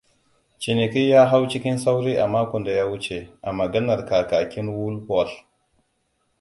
Ciniki ya hau cikin sauri a makon da ya wuce, a maganar kakakin woolworth.